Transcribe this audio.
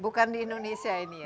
bukan di indonesia ini ya